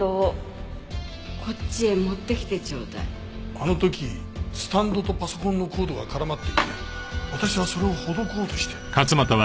あの時スタンドとパソコンのコードが絡まっていて私はそれをほどこうとして。